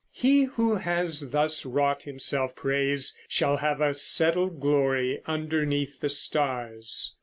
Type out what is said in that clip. He who has thus wrought himself praise shall have A settled glory underneath the stars.